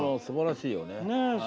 すばらしいよね。